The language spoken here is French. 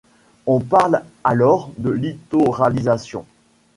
On parle alors de littoralisation.